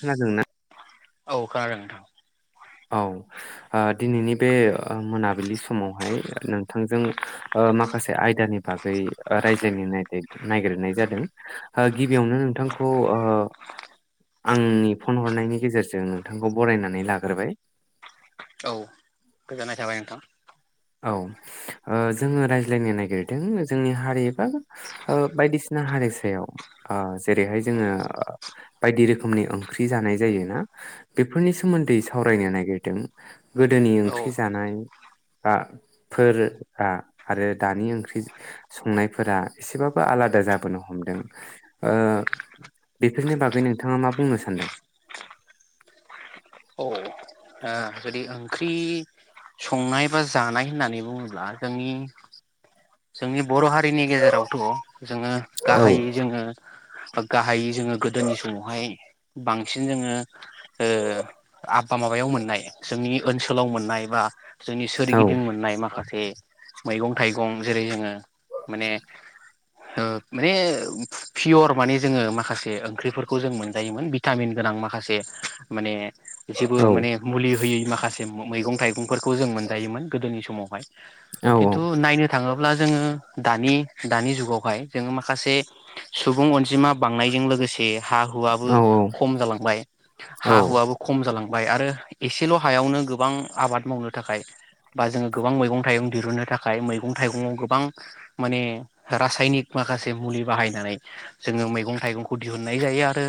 खोनादोंना? औ खोनादों नोंथां औ आ दिनैनि ओ बे मोनाबिलि समावहाय नोंथांजों ओ माखासे आयदानि बागै रायज्लायनो नायगि-नायगिरनाय जादों गिबियावनो नोंथांखौ ओ आंनि फन हरनायनि गेजेरजों नोंथांखौ बरायनानै लाग्रोबाय गोजोनाय थाबाय नोंथां औ ओ जोङो रायज्लायनो नागिरदों जोंनि हारि एबा ओ बायदिसिना हारि सायाव ओ जेरैहाय जोङो बायदि रोखोमनि ओंख्रि जानाय जायोना बेफोरनि सोमोन्दै सावरायनो नागिरदों गोदोनि औ ओंख्रि जानाय फ्रा फोरा आरो दानि ओंख्रि संनायफोरा एसेबाबो आलादा जाबोनो हमदों ओ बेफोरनि बागै नोंथाङा मा बुंनो सानदों? आं जुदि ओंख्रि संनाय बा जानाय होननानै बुङोब्ला जोंनि जोंनि बर' हारिनि गेजेरावथ' जोङो औ गाहायै जोङो गाहायै जोङो गोदोनि समावहाय बांसिन जोङो ओ आ माबायाव मोननाय जोंनि ओनसोलाव मोननाय बा जोंनि औ सोरगिदिं मोननाय माखासे बे मैगं-थाइगं जेरै जोङो माने ओ माने पियर माने जोङो माखासे ओंख्रिफोरखौ जों मोनजायोमोन भिटामिन गोनां माखासे माने एसेबो औ माने मुलि होयै माखासे मैगं थाइगंफोरखौ जों मोनजायोमोन गोदोनि समावहाय औ खिन्थु नायनो थाङोब्ला जोङो दानि-दानि जुगावहाय जोङो माखासे सुबुं अनजिमा बांनायजों लोगोसे हा हुआबो औ खम जालांबाय औ हा हुआबो खम जालां बाय आरो एसेल हायावनो गोबां आबाद मावनो थाखाय बा जोङो गोबां मैगं थाइगं दिहुननो थाखाय मै गं थाइगङाव गोबां माने रासायनिक माखासे मुलि बाहायनानै जोङो मैगं-थाइगंखौ दिहुनन्नाय जायो आरो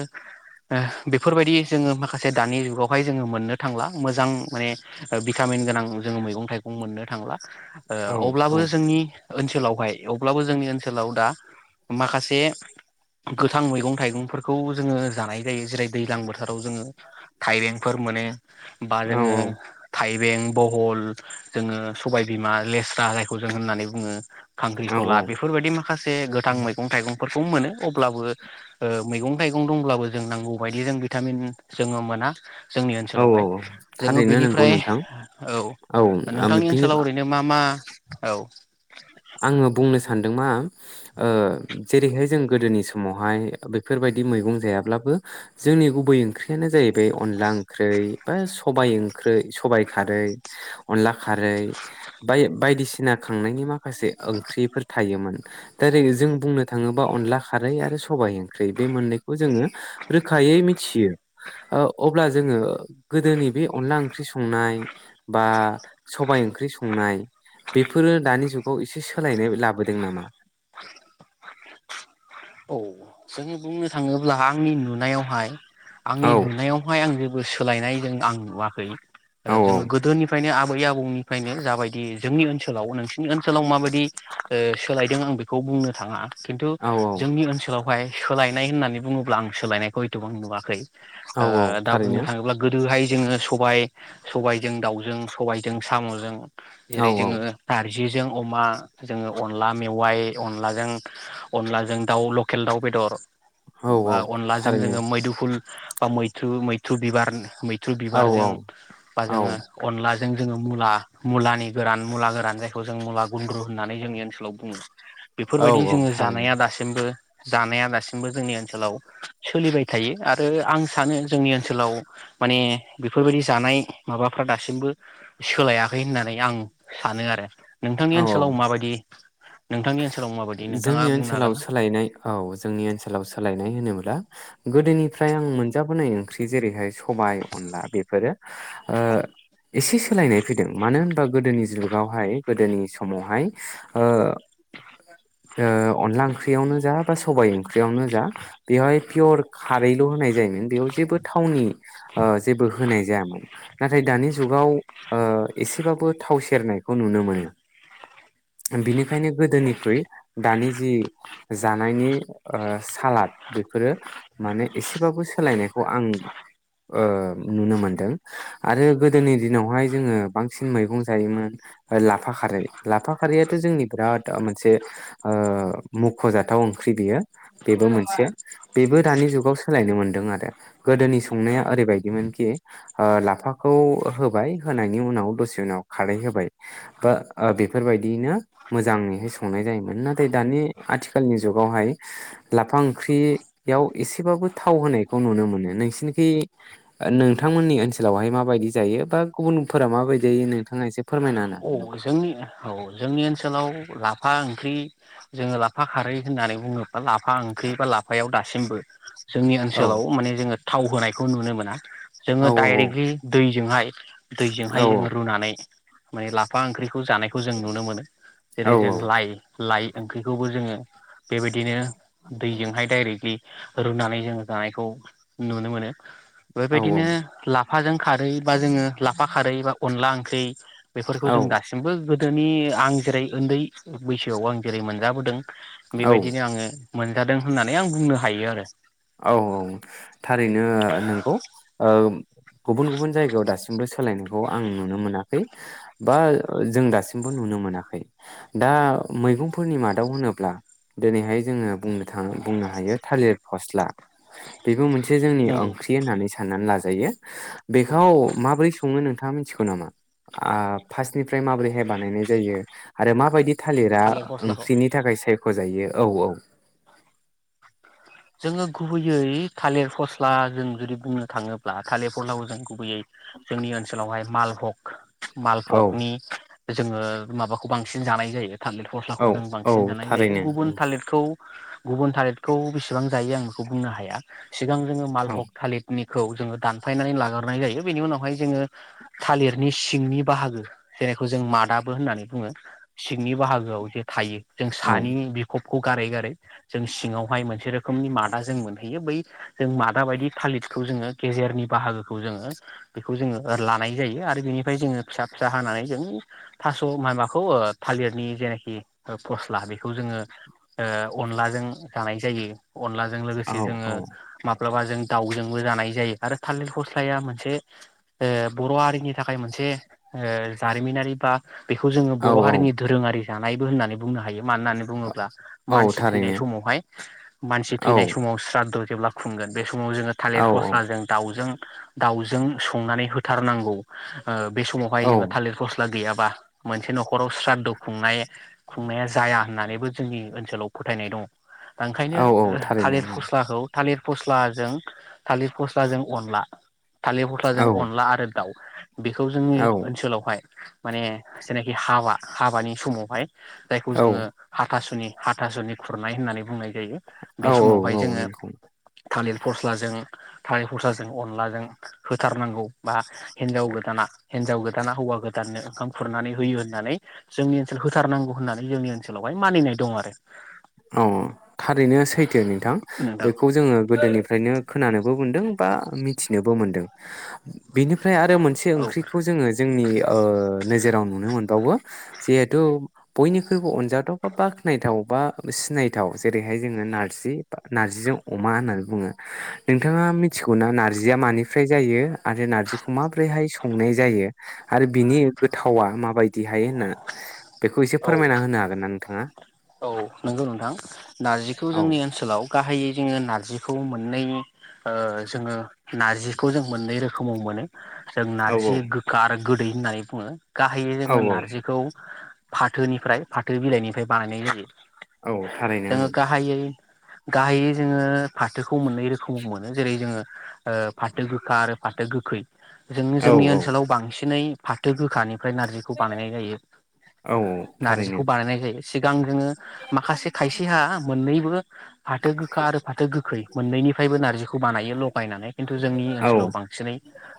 ओ बेफोरबायदि जोङो माखासे दानि जुगावहाय जोङो मोननो थांला मोजां माने भिटामिन गोनां जोङो मैगं-थाइगं मोननो थांला ओ औ अब्लाबो [unintelligible] नि ओनसोलावहाय अब्लाबो जोंनि ओनसोलाव दा माखासे गोथां मैगं-थाइगंफोरखौ जोङो जानाय जायो जेरै दैज्लां बोथोराव जोङो थाइबेंफोर मोनो बा जोङो थाय बें, बहल जोङो सबाय बिमा लेस्रा बो होननानै बुङो औ खांख्रिखला बेफोरबायदि माखासे गोथां मैगं-थाइगंफोर [unintelligible] मोनो अब्लाबो ओ मैगं-थाइगं दंब्लाबो जों नांगौ बायदि जों भिटामिन जोङो मोना जोंनि औ औ ओनसोलावहाय जोङो थारैनो नंगौ बेनिफ्राय नोंथां औ नोंथांनि बिनि ओनसोलाव ओरैनो मा मा औ आङो बुंनो सान सानदों मा ओ जेरैहाय जों गोदोनि समावहाय बेफोरबायदि मैगं जायाब्लाबो जोंनि गुबै ओंख्रियानो जाहैबाय अनला ओंख्रियै बा सबाय ओंख्रि सबाइ खारै, अनला खारै बाय-बायदिसिना खांनायनि मा माखासे ओंख्रिफोर था थायोमोन दा जों बुंनो थाङोबा अनला खारै आरो सबाय ओंख्रि बे मोननैखौ जोङो रोखायै मिथियो अब्ला जोङो गोदोनि बे अनला ओंख्रि संनाय बा सबाय ओंख्रि संनाय बेफोरो दानि जुग खौ एसे सोलायनाय लाबोदों नामा? औ जोङो बुंनो थाङोब्ला आंनि नुनायावहाय आंनि औ नुनायावहाय आं बो सोलायनाय जों आं नुवाखै ओ औ जोङो गोदोनिफ्रायनो आ आबै आबौनिफ्रायनो जाबायदि जोंनि ओनसोलाव नोंसिनि ओनसोलाव माबायदि ओ सोलायदों आं बेखौ बुंनो थाङा। खिन्थु औ जोंनि ओनसोलावहाय सोलायनाय होननानै बुङोब्ला आं सोलायनायखौ एथबांं नुवाखै। औ ओ औ दा बुंनो थारैनो थाङोब्ला गोदोहाय जोङो सबाय सबायजों दाउजों, सबायजों सामजों, औ जेरै औ जोंङो खारि नारजिजों अमा, जोंङो अनला मेवाइ, अनलाजों अनलाजों दाउ लकेल दाउ बेदर औ औ ओ अनलाजों जोङो थारैनो मैदुफुल, बा मैथ्रु मैथ्रु बिबार मै थ्रु औ बिबारजों बा औ जोंङो अनला जों जोंङो मुला, मुलानि गोरान मुला गोरान जायखौ जों मुला गुनद्रु होननानै जोंनि ओनसोलाव बुंङो। औ बेफोरबायदि औ जोंङो थारैनो जानाया दासि बो जानाया दासिमबो जोंनि ओनसोलाव सोलिबाय थायो आरो आं सानो जोंनि ओनसोलाव माने बेफोरबायदि जानाय माबाफ्रा दासिमबो सोलायाखै होननानै आं सानो आरो नोंथांनि औ औ ओनसोलाव माबायदि नोंथांनि ओनसोलाव माबायदि नोंथांङा जोंनि बुंनो हागोन ओनसोलाव ना? सोलायनाय औ जोंनि ओनसोलाव सोलायनाय होनोमोन ब्ला गोदोनिफ्राय आं मोनजाबोनाय ओंख्रि जेरैहाय सबाय अनला बेफोरो ओ एसे सोलायनाय फैदों मानो होन गोदोनि जुगावहाय गोदोनि समावहाय ओ ओ अनला ओंख्रियावनो जा बा सबाय ओंख्रियावनो जा बेवहाय पियर खारैल' होनाय जायोमोन बेयाव जेबो थावनि ओ जेबो होनाय जायामोन। नाथाय दानि जुगाव ओ एसेबाबो थाव सेरनायखौ नुनो मोनो। बेनि खायनो गोदोनिख्रुइ दानि जि जानायनि ओ सालाद बेफोरो माने एसेबाबो सोलायनायखौ आं ओ नुनो मोनदों आरो गोदोनि दिनावहाय जोंङो बांसिन मैगं जायोमोन लाफा खारै लाफा खारैयाथ जोंनि बिराद मोनसे ओ मुख'जाथाव ओंख्रि बेयो बेबो मोनसे बेबो दानि जुगाव सोलायनो मोनदों आरो गोदोनि संनाया ओरैबायदिमोनखि लाफाखौ होबाय होनायनि उनाव दसे उनाव खारै होबाय बा ओ बेफोरबायदियैनो मोजांङैहाय संनाय जायोमोन। नाथाय दानि आथिखालनि जुगावहाय लाफा ओंख्रियाव एसेबाबो थाव होनायखौ नुनो मोनो। नोंसिनिखै नोंथांमोननि ओनसोलावहाय माबायदि जायो बा गुबुनफोरा माबायदि जायो नोंथाङा एसे फोरमायना होनो औ हागोन नामा? जोंनि औ जोंनि ओन सोलाव लाफा ओंख्रि जोंङो लाफा खारै होननानै बुङो। बा लाफा ओंख्रि बा लाफायाव दा सिमबो जोंनि औ ओनसोलाव माने जोंङो थाव होनायखौ नुनो मोना। जोंङो औ दाइरेक्टलि दै जोंहाय औ दैजोंहाय जोङो रुनानै। माने लाफा ओंख्रि खौ जानायखौ जों नुनो मोनो औ जेरै जों लाइ लाइ ओंख्रिखौबो जोंङो बेबायदिनो दैजोंहाय डायरेक्टलि रुनानै जोंङो जानायखौ नुनो मोनो। औ बेबायदिनो ला फाजों खारै बा जोङो लाफा खारै बा अनला ओंख्रि बेफोरखौ जों औ दासिमबो गो गोदोनि आं जेरै उन्दै बैसोआव आं जेरै मोनजाबोदों। औ बेबायदिनो आङो। मोनजादों होननानै आं बुंनो हायो आरो। औ औ। थारैनो नोंखौ ओम गुबुन गुबुन जायगायाव दासिमबो सोलायनायखौ आं नुनो मोनाखै बा जों दासिमबो नुनो मोनाखै दा मैगंफोरनि मादाव होनोब्ला दिनैहाय जोङो बुंनो थाङो बुंनो हायो थालिर फस्ला बेबो मोन से जोंनि नंगौ ओंख्रि होननानै साननानै ला जायो बेखौ माबोरै सङो नोंथाङा मिथिगौ नामा आ फास्टनिफ्राय औ माबोरैहाय बानायनाय जायो आरो माबायदि थालिरा थालिर फस्लाखौ ओंख्रिनि थाखाय साइ फोजायो औ औ। जोङो गुबैयै थालिर फस्ला जों जुदि बुंनो थाङोब्ला थालिर फस्लाखौ जों गुबैयै जोंनि ओनसोलावहाय मालभग औ मालभगनि जोङो माबाखौ बांसिन जानाय जायो। थालिर फस्लाखौ औ जों औ बांसिन जानाय जायो थारैनो गुबुन थालिरखौ गुबुन थालिरखौ बिसे बां जायो आं बेखौ बुंनो हाया। सिगां जोङो औ मालभग थालिरनि खौ जोङो दानफायनानै लाग्रोनाय जायो बेनि उनावहाय जोङो थालिरनि सिंनि बाहागो [unintelligible] जों मादाबो होननानै बुङो सिंनि बाहागोआव जे थायो जों औ सानि बिखब खौ गारै गारै जों सिङावहाय मोनसे रोख खोमनि मादा जों मोनहैयो बै जों मादा बायदि थालिरखौ जोङो गेजेरनि बाहागोखौ जोङो बेखौ जोङो लानाय जायो आरो बेनिफ्राय जोङो फिसा फिसा हानानै जों थास माबाखौ थालिरनि जेनाखि फस्ला बेखौ जोङो ओ अनलाजों। जानाय जायो। अनलाजों औ लोगोसे जोङो औ माप ब्लाबा जों दावजोंबो जानाय जायो आरो थालिर फस्लाया मोनसे ओ बर' हारिनि थाखाय मोनसे ओ जारिमिनारि बा बेखौ जोंङो औ बर' औ हारिनि धोरोंङारि जानायबो होननानै बुंनो हायो। मानो होननानै बुङोब्ला औ मानसि थैनाय थारैनो समावहाय सि औ थैनाय समाव सा रदु जेब्ला खुंगोन बे समाव जोङो औ थालिर फस्लाजों दाउजों दाउजों संनानै होथारनांगौ ओ बे समावहाय औ जोङो थालिर गस्ला गैयाब बा मोनसे नखराव स्रादु खुंनाय खुंनाया जाया होननानैबो जोंनि ओनसोलाव फोथायनाय दङ। ओंखायनो औ औ थारैनो थालिर औ फस्लाखौ थालिर फस्लाजों थालिर फस्लाजों अनला थालिर औ फस्लाजों अनला आरो दाव बेखौ जोंनि ओनसोलावहाय माने जायनाखि हाबा हाबानि समावहाय जायखौ औ जोङो हाथासुनि हाथासुनि खुरनाय होननानै बुंनाय जायो। बे औ समावहाय औ औ जोङो नंखौ। थालिर फस्लाजों थालिर फस्लाजों अनलाजों होथारनांगौ बा हिनजाव गोदाना हिनजाव गोदाना हौवा गोदाननो ओंखाम खुरनानै होयो होननानै जोंनि ओनसोल होथारनांगौ होननानै जोंनि ओनसोलावहाय मानिनाय दं आरो। औ थारैनो सैथो नोंथां नोंथां बेखौ जोङो गोदोनिफ्रायनो खो खोनानोबो मोनदों बा मिथिनोबो मोनदों। बेनिफ्राय आरो मोनसे औ ओंख्रिखौ जोङो जोंनि ओ नोजोराव नुनो मोनबावो जिहेथु बयनिख्रुइबो अनजाथाव बा बाख्नायथाव बा सिनायथाव जेरैहाय जोङो नार्जि बा नार्जिजों अमा होननानै बुङो नोंथाङा मिथिगौना नार्जिया मानिफ्राय जायो आरो नार्जिखौ माब्रैहाय संनाय जायो आरो बिनि गोथावा माबायदिहाय होनना बेखौ एसे फोरमायना होनो हागोन ना नोंथाङा? नोंगौ नोंथां नार्जिखौ औ जोंनि ओनसोलाव गाहायै जोङो नार्जिखौ मोननै ओ जोङो नार्जिखौ जों मोननै रोखोमाव मोनो। जों औ नारजि गोखा आरो गोदै होननानै बुङो। गाहायै औ जोङो नारजिखौ फाथोनिफ्राय फाथो बिलाइनिफ्राय बानायनाय जायो। औ थारैनो ओं जोङो गाहायै गाहायै जोङो फाथोखौ मोननै रोखोम मोनो जेरै जोङो ओ फाथो गोखा आरो फाथो गोखै जोंङो ओं जोंनि औ ओनसोलाव बांसिनै फाथो गोखानि ओमफ्राय नारजिखौ बानायनाय जायो। औ थारैनो नारजिखौ बानायनाय जायो। सिगां जोङो माखासे खायसेहा मोननैबो फाथो गोखा आरो फाथो गोखै मोननैनिफ्रायबो नार्जिखौ बानायो लगायनानै खिन्थु जोंनि औ ओनसोलाव बांसिनै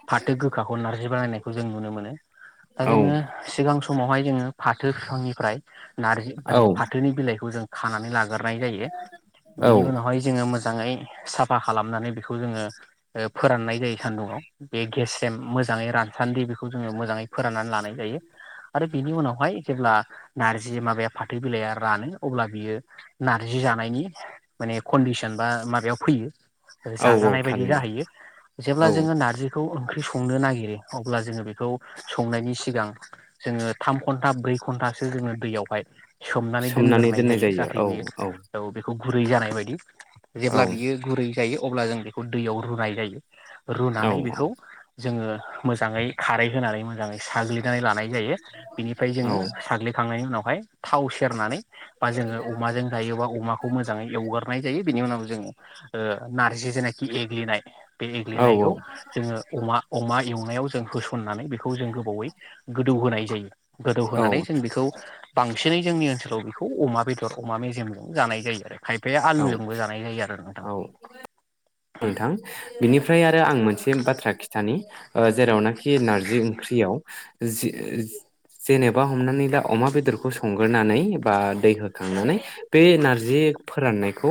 फाथो गोखाखौ नारजि बानायनाय खौ जों नुनो मोनो दा औ जोङो सिगां समावहाय जोङो फाथो फिफांनिफ्राय नारजि माने औ फाथोनि बिलाइखौ जों खानानै ला ग्रोनाय जायो बिनि उनावहाय जोङो मो मोजाङै साफा खालामनानै बेखौ जोङो फोराननाय जायो सान्दुंङाव बे गेस्रेम मोजाङै रानसान्दि बेखौ जोङो मोजाङै फोराननानै लानाय जायो आरो बिनि उनाव बेहाय जेब्ला नार्जि माबाया फाथो बिलाइया रानो अब्ला बियो नारजि जानायनि माने कन्डिसन बा माबायाव फैयो। औ औ जाजानाय बायदि थारैनो जाहैयो औ जेब्ला जोङो नारजि बेखौ ओंख्रि संनो नागिरो अब्ला जोङो बेखौ संनायनि सिगां जोङो थाम घन्टा ब्रै घन्टासो जोङो दैयावहाय सोमनानै दोनग्रोनाय जायो जाहाथे बियो औ बेखौ गुरै जानाय बायदि औ जेब्ला बियो गुरै जायो अब्ला जों बेखौ दैयाव रुनाय जायो। औ रुनानै बेखौ जोङो मोजाङै खारै होनानै मोजाङै साग्लिनानै लानाय जायो। बिनिफ्राय औ जोङो साग्लिखांनायनि उनाव बेहाय थाव सेरनानै बा जोङो अमाजों जायोबा अमाखौ मोजाङै एवगारनाय जायो बिनि उनाव जों नारजि जेनिखि एग्लिनाय बे औ एग्लिनायखौ जोङो अमा अमा एवनायाव जों होसन फुननानै बेखौ जों गोबावै गोदौ होनाय जायो। गोदौ औ होनानै जों बेखौ बांसिनै जोंनि ओनसोलाव बेखौ अमा बेदर अमा मेजेमजों जानाय जायो आरो। खायफाया औ आलुजोंबो जानाय जायो आरो नोंथां। औ नोंथां बिनिफ्राय आरो आं मोनसे बाथ्रा खिथानि ओ जेरावनोखि नारजि ओंख्रियाव जि-जेनेबा हमनानै ला अमा बेदरखौ संग्रोनानै बा दै होखांनानै बे नारजि फोराननायखौ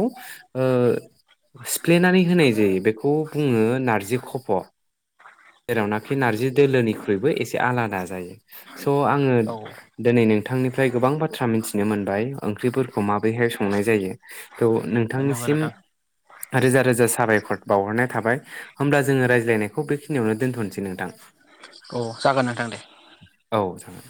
ओ सिफ्लेनानै होनाय जायो, बेखौ बुङो नारजि खफ। जेरावनाखि नारजि दोलोनिख्रुइबो एसे आलादा जायो। स आङो औ दोनै नों थांनिफ्राय गोबां बाथ्रा मिथिनो मोनबाय ओंख्रिफोरखौ माबोरैहाय संनाय जायो। थ नंगौ नोंथांनिसिम नोंथां रोजा रोजा साबायखर बाउहरनाय थाबाय। होमब्ला जोङो रायज्लायनायखौ बेख खिनियावनो दोन्थनसै नोंथां। औ जागोन नोंथां दे। औ जागोन।